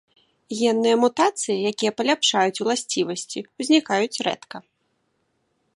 Генныя мутацыі, якія паляпшаюць уласцівасці, узнікаюць рэдка.